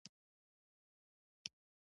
استاد بینوا د بیان د ازادی پلوی و.